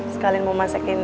sekalian mau masakin buat haris